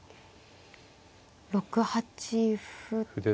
６八歩と。